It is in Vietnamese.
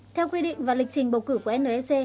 theo quy định và lịch trình bầu cử của nec